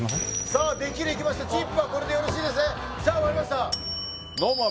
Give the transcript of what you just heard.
さあできるいきましたチップはこれでよろしいですねああ